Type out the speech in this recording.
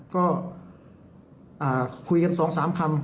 ก็คุยกัน๒๓คำ